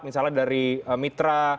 misalnya dari mitra